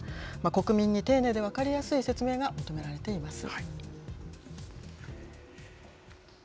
国民に丁寧で分かりやすい説明が求められています。